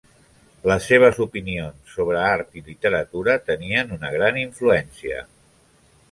Les seves opinions sobre art i literatura tenien una gran influència.